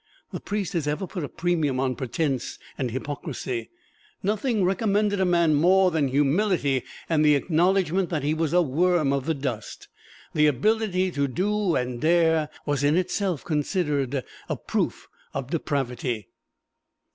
The priest has ever put a premium on pretense and hypocrisy. Nothing recommended a man more than humility and the acknowledgment that he was a worm of the dust. The ability to do and dare was in itself considered a proof of depravity.